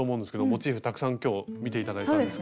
モチーフたくさん今日見て頂いたんですけど。